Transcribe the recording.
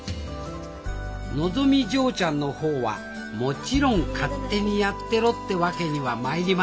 のぞみ嬢ちゃんの方はもちろん「勝手にやってろ」ってわけにはまいりません。